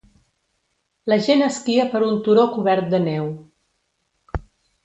La gent esquia per un turó cobert de neu.